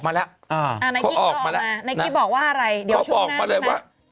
อึกอึกอึกอึกอึก